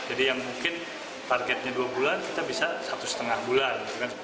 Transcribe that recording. jadi yang mungkin targetnya dua bulan kita bisa satu lima bulan